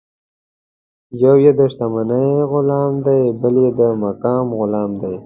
یو یې د شتمنۍ غلام دی، بل بیا د مقام غلام دی.